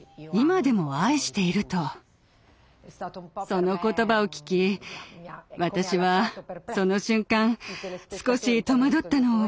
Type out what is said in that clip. その言葉を聞き私はその瞬間少し戸惑ったのを覚えています。